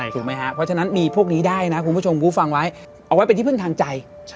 ถูกไหมครับเพราะฉะนั้นมีพวกนี้ได้นะคุณผู้ชมผู้ฟังไว้เอาไว้เป็นที่พึ่งทางใจ